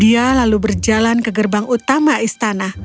dia lalu berjalan ke gerbang utama istana